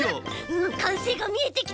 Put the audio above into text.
うんかんせいがみえてきた。